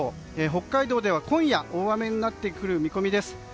北海道では今夜大雨になってくる見込みです。